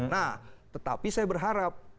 nah tetapi saya berharap